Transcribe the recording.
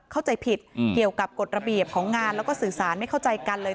เข้าใจผิดเกี่ยวกับกฎระเบียบของงานแล้วก็สื่อสารไม่เข้าใจกันเลย